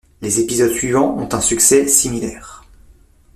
Les épisodes suivants ont un succès similaire.